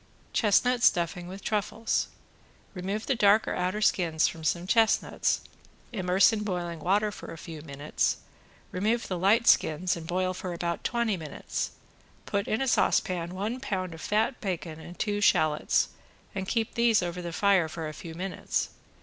~CHESTNUT STUFFING WITH TRUFFLES~ Remove the dark or outer skins from some chestnuts, immerse in boiling water for a few minutes, remove the light skins and boil for about twenty minutes, put in a saucepan one pound of fat bacon and two shallots, and keep these over the fire for a few minutes.